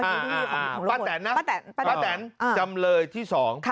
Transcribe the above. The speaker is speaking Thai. ป้าแตนนะป้าแตนจำเลยที่๒